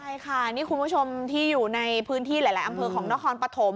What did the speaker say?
ใช่ค่ะนี่คุณผู้ชมที่อยู่ในพื้นที่หลายอำเภอของนครปฐม